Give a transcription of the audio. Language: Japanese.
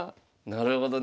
なるほどね。